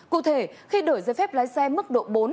cụ thể khi đổi giấy phép lái xe mức độ bốn